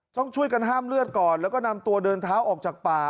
ต้องช่วยกันห้ามเลือดก่อนแล้วก็นำตัวเดินเท้าออกจากป่า